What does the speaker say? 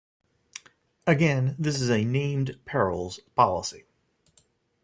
Again, this is a "named perils" policy.